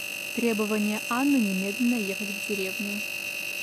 Требование Анны немедленно ехать в деревню.